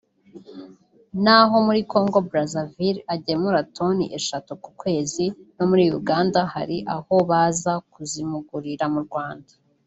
naho muri Congo Brazzaville agemura toni eshatu ku kwezi no muri Uganda hari abaho baza kuzimugurira mu Rwanda